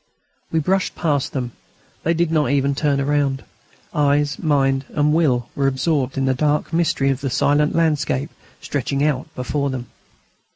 We brushed past them, but they did not even turn round. Eyes, mind, and will were absorbed in the dark mystery of the silent landscape stretching out before them.